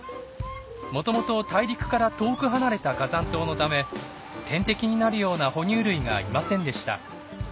もともと大陸から遠く離れた火山島のため天敵になるような哺乳類がいませんでした。